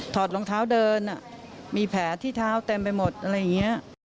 อดรองเท้าเดินมีแผลที่เท้าเต็มไปหมดอะไรอย่างนี้